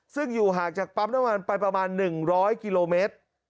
ซึ่งอยู่ห่างจากปั๊มน้ำมันไปประมาณ๑๐๐กิโลเมตร